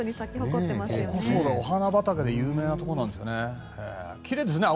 ここお花畑で有名なところなんですよね。